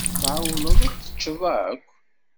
Tɛewwleḍ ad t-teččeḍ akk?